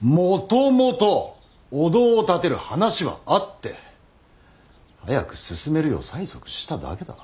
もともとお堂を建てる話はあって早く進めるよう催促しただけだ。